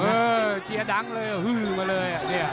ใช่ใช่เซียร์ดังเลยหืบมาเลย